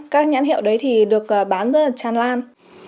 các nhãn hiệu đấy thì được bán rất là tràn lan